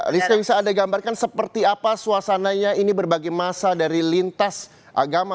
rizka bisa anda gambarkan seperti apa suasananya ini berbagai masa dari lintas agama